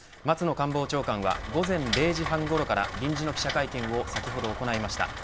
松野官房長官は午前０時半ごろから臨時の記者会見を先ほど行いました。